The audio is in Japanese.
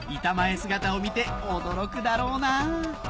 姿を見て驚くだろうなぁ